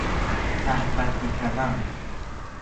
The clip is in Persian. سهم بندی کردن